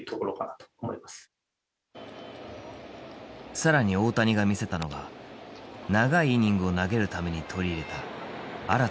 更に大谷が見せたのが長いイニングを投げるために取り入れた新たな球種。